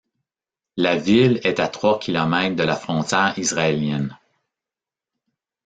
La ville est à trois kilomètres de la frontière israélienne.